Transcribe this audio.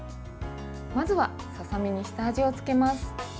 まずは、ささみに下味をつけます。